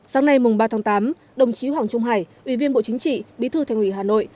sáng nay mùng ba tháng tám đồng chí hoàng trung hải ủy viên bộ chính trị bí thư thành ủy hà nội